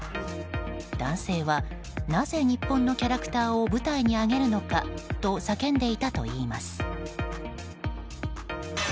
男性は、なぜ日本のキャラクターを舞台に上げるのかと叫んでいたといいます。